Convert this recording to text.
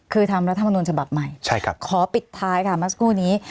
คือทำรัฐมนุนฉบับใหม่ขอปิดท้ายค่ะเมื่อสักครู่นี้